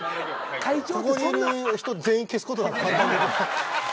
ここにいる人全員消すことだって簡単。